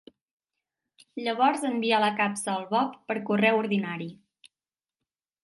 Llavors envia la capsa al Bob per correu ordinari.